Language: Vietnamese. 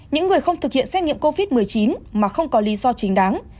những người không thực hiện xét nghiệm covid một mươi chín mà không có lý do chính đáng